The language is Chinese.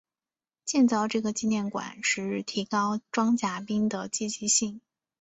建造这个纪念馆是提高装甲兵的积极性。